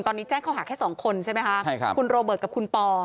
ตอนนี้แจ้งข้อหาแค่๒คนใช่ไหมคะคุณโรเบิร์ตกับคุณปอ